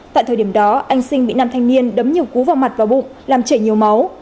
tại thời điểm đó anh sinh bị năm thanh niên đấm nhiều cú vào mặt vào bụng làm chảy nhiều máu